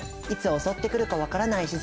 いつ襲ってくるか分からない